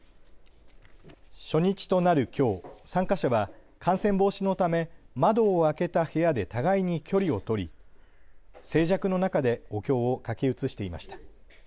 初日となるきょう、参加者は感染防止のため窓を開けた部屋で互いに距離を取り静寂の中でお経を書き写していました。